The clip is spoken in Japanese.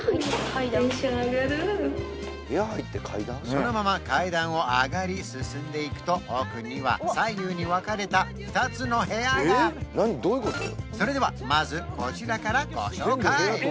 そのまま階段を上がり進んでいくと奥には左右に分かれた２つの部屋がそれではまずこちらからご紹介